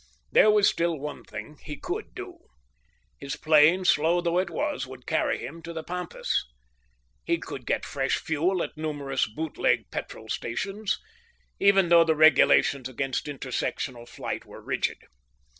There was still one thing that he could do. His plane, slow though it was, would carry him to the pampas. He could get fresh fuel at numerous bootleg petrol stations, even though the regulations against intersectional flight were rigid.